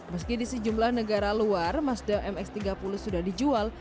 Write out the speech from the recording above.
meski di sejumlah negara luar mazda mx tiga puluh sudah dijual